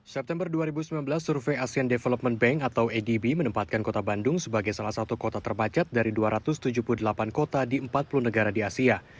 september dua ribu sembilan belas survei asean development bank atau adb menempatkan kota bandung sebagai salah satu kota terbacat dari dua ratus tujuh puluh delapan kota di empat puluh negara di asia